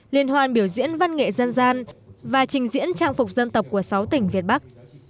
liên hoan biểu diễn văn nghệ dân gian và trình diễn trang phục dân tộc của sáu tỉnh việt bắc